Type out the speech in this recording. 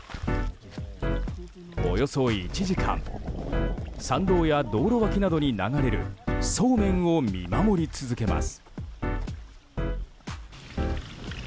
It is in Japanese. およそ１時間山道や道路脇などに流れるそうめんを見守り続けます。